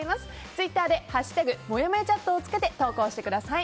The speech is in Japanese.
ツイッターで「＃もやもやチャット」をつけて投稿してください。